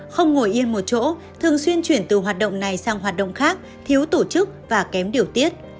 không ngồi yên một chỗ thường xuyên chuyển từ hoạt động này sang hoạt động khác thiếu tổ chức và kém điều tiết